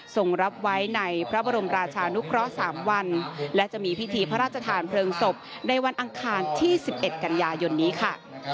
ส่งรับไว้ในพระบรมราชานุเคราะห์๓วันและจะมีพิธีพระราชทานเพลิงศพในวันอังคารที่๑๑กันยายนนี้ค่ะ